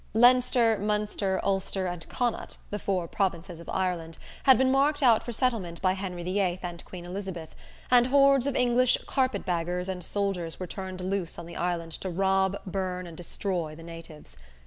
Leinster, Munster, Ulster and Connaught, the four provinces of Ireland, had been marked out for settlement by Henry the Eighth and Queen Elizabeth, and hordes of English "carpetbaggers" and soldiers were turned loose on the island to rob, burn and destroy the natives.